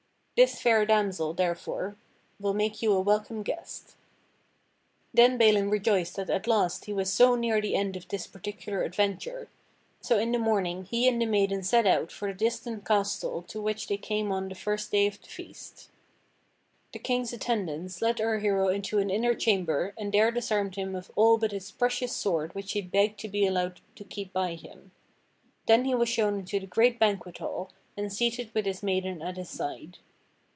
This fair damsel, therefore, will make you a welcome guest." Then Balin rejoiced that at last he was so near tlie end of this particular adventure. So in the morning he and the maiden set out for the distant castle to which they came on the first day of the feast. The King's attendants led our hero into an inner chamber and there disarmed him of all but his precious sword which he begged to be allowed to keep by him. Then he was shown into the great banquet hall, and seated with his maiden at his side.